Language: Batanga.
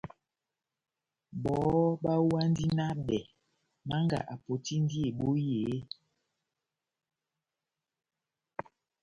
Bɔhɔ bahuwahindi nah bɛh Manga apotindi ebohi eeeh?